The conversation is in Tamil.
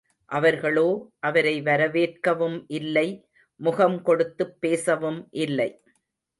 அவர்களோ, அவரை வரவேற்கவும் இல்லை முகம் கொடுத்துப் பேசவும் இல்லை.